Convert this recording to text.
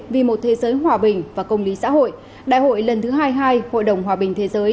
vì một thế giới hòa bình và công lý xã hội đại hội lần thứ hai mươi hai hội đồng hòa bình thế giới